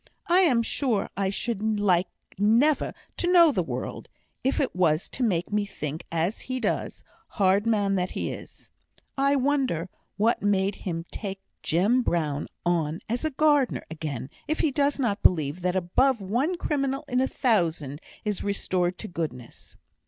I am sure I should like never to know the world, if it was to make me think as he does, hard man that he is! I wonder what made him take Jem Brown on as gardener again, if he does not believe that above one criminal in a thousand is restored to goodness.